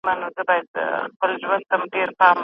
زموږ کړنې زموږ د فکرونو پایله ده.